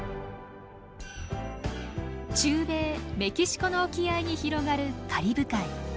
中米メキシコの沖合に広がるカリブ海。